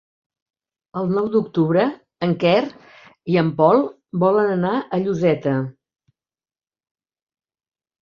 El nou d'octubre en Quer i en Pol volen anar a Lloseta.